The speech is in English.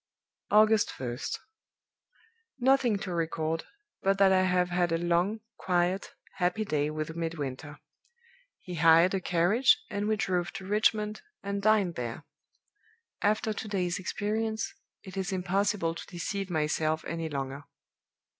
"August 1st. Nothing to record, but that I have had a long, quiet, happy day with Midwinter. He hired a carriage, and we drove to Richmond, and dined there. After to day's experience, it is impossible to deceive myself any longer.